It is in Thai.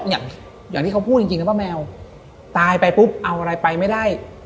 อย่างที่เขาพูดจริงจริงนะป้าแมวตายไปปุ๊บเอาอะไรไปไม่ได้